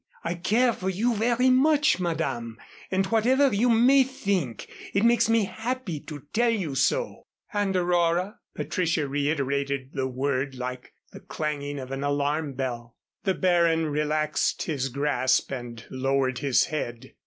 I care for you very much, Madame, and whatever you may think, it makes me happy to tell you so." "And Aurora?" Patricia reiterated the word, like the clanging of an alarm bell. The Baron relaxed his grasp and lowered his head.